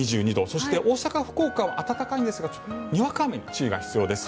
そして大阪、福岡は暖かいんですがにわか雨に注意が必要です。